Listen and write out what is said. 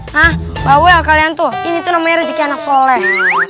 hah mbak wel kalian tuh ini tuh namanya rezeki anak soleh